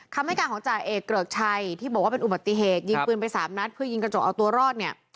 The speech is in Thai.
คำให้การของจ่าเอกเกริกชัยที่บอกว่าเป็นอุบัติเหตุยิงปืนไปสามนัดเพื่อยิงกระจกเอาตัวรอดเนี่ย